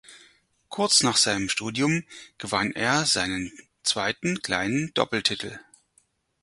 Kurz nach seinem Studium gewann er seinen zweiten kleinen Doppeltitel.